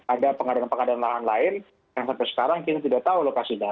ada pengadaan pengadaan lahan lain yang sampai sekarang kita tidak tahu lokasinya